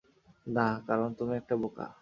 না, কারণ তুমি একটা বোকা।